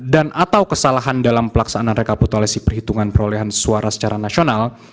dan atau kesalahan dalam pelaksanaan rekapitulasi perhitungan perolehan suara secara nasional